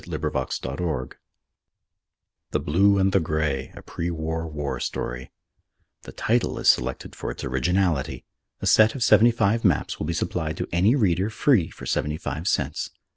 VII THE BLUE AND THE GREY A PRE WAR WAR STORY (_The title is selected for its originality. A set of seventy five maps will be supplied to any reader free for seventy five cents.